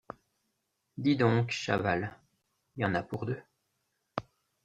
Dis donc, Chaval, y en a pour deux!